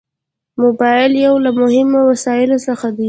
موبایل یو له مهمو وسایلو څخه دی.